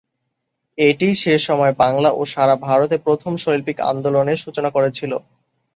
এটিই সেসময় বাংলা ও সারা ভারতে প্রথম শৈল্পিক আন্দোলনের সূচনা করেছিল।